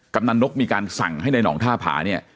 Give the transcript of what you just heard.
กำลังนกมีการสั่งให้ในหนองท่าผาเนี่ย